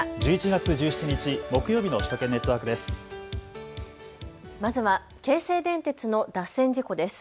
１１月１７日木曜日の首都圏ネットワークです。